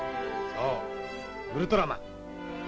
そうウルトラマン。